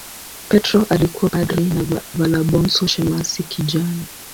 Petro alikuwa padri na Valabonso shemasi kijana.